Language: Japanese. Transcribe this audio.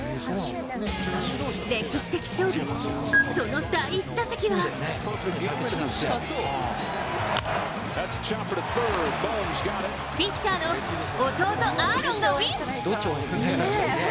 歴史的勝負、その第１打席はピッチャーの、弟・アーロンがＷＩＮ。